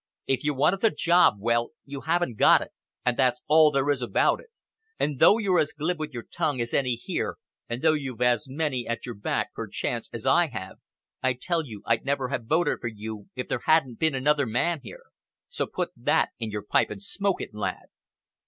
If you wanted the job, well, you haven't got it, and that's all there is about it, and though you're as glib with your tongue as any here, and though you've as many at your back, perchance, as I have, I tell you I'd never have voted for you if there hadn't been another man here. So put that in your pipe and smoke it, lad."